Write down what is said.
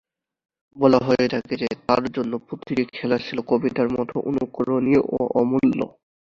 বলা হয়ে থাকে যে, "তার জন্য প্রতিটি খেলা ছিল কবিতার মত অননুকরণীয় ও অমূল্য।"